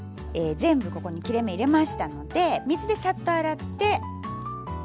全部ここに切れ目入れましたので水でサッと洗って。